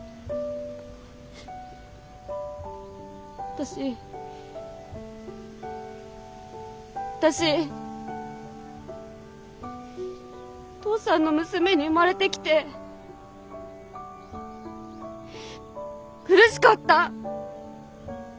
私私お父さんの娘に生まれてきて苦しかった！